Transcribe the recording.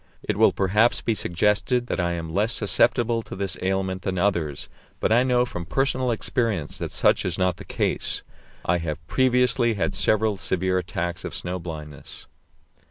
It will perhaps be suggested that I am less susceptible to this ailment than others, but I know from personal experience that such is not the case. I have previously had several severe attacks of snow blindness.